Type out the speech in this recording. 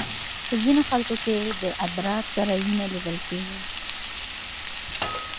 په ځینو خلکو کې د ادرار سره وینه لیدل کېږي.